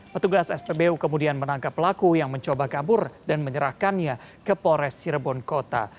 petugas spbu kemudian menangkap pelaku yang mencoba kabur dan menyerahkannya ke polres cirebon kota